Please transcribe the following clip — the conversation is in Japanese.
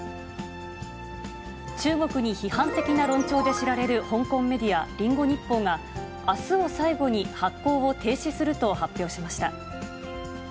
中国に批判的な論調で知られる香港メディア、リンゴ日報が、あすを最後に発行を停止すると発表しました。